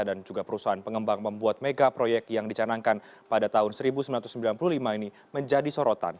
dan juga perusahaan pengembang membuat mega proyek yang dicanangkan pada tahun seribu sembilan ratus sembilan puluh lima ini menjadi sorotan